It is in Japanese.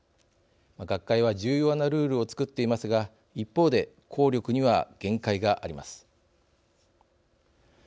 学会は重要なルールをつくっていますが一方で効力には限界があります。